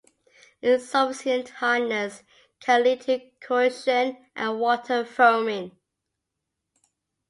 Insufficient hardness can lead to corrosion and water foaming.